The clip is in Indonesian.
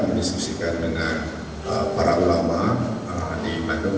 mendiskusikan dengan para ulama di bandung